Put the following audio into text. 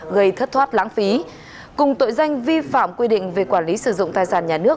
gây thất thoát lãng phí cùng tội danh vi phạm quy định về quản lý sử dụng tài sản nhà nước